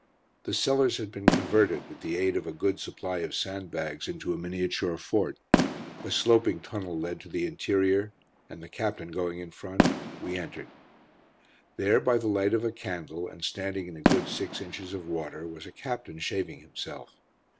The cellars had been converted, with the aid of a good supply of sandbags, into a miniature fort. A sloping tunnel led to the interior, and the Captain going in front, we entered. There by the light of a candle, and standing in a good six inches of water, was a captain shaving himself.